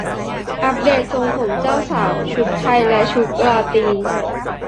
อัปเดตทรงผมเจ้าสาวชุดไทยและชุดราตรี